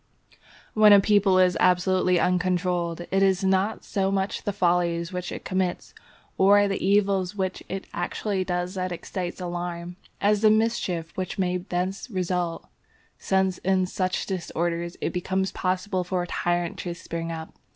When a people is absolutely uncontrolled, it is not so much the follies which it commits or the evil which it actually does that excites alarm, as the mischief which may thence result, since in such disorders it becomes possible for a tyrant to spring up.